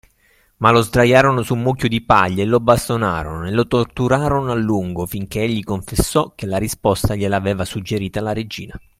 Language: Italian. Ma lo sdraiarono su un mucchio di paglia e lo bastonarono e lo torturarono a lungo, finché egli confessò che la risposta gliela aveva suggerita la regina.